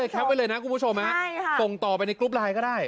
แป๊ปไว้เลยนะคุณผู้ชมส่งต่อไปในกรุ๊ปไลน์ก็ได้